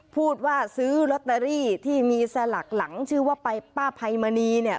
พูดว่าซื้อลอตเตอรี่ที่มีสลักหลังชื่อว่าไปป้าไพมณีเนี่ย